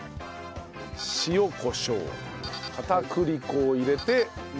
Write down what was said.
塩コショウ片栗粉を入れてもむ。